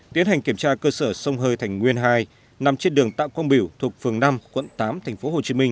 tiến hành kiểm tra cơ sở sông hơi thành nguyên hai nằm trên đường tạm quang biểu thuộc phường năm quận tám thành phố hồ chí minh